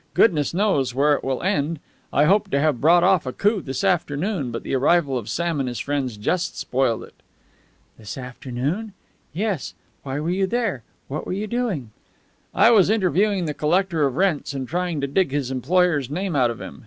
Goodness knows where it will end. I hoped to have brought off a coup this afternoon, but the arrival of Sam and his friends just spoiled it." "This afternoon? Yes, why were you there? What were you doing?" "I was interviewing the collector of rents and trying to dig his employer's name out of him.